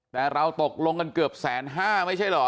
แต่เราตกลงกันเกือบแสนห้าไม่ใช่เหรอ